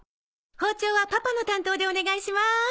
包丁はパパの担当でお願いしまーす。